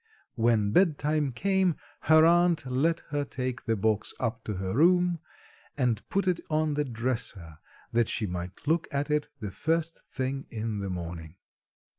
When bedtime came her aunt let her take the box up to her room and put it on the dresser that she might look at it the first thing in the morning.